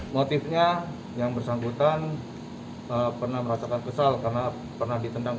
motifnya yang bersangkutan pernah merasakan kesal karena pernah ditendang